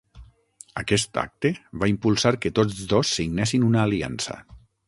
Aquest acte va impulsar que tots dos signessin una aliança.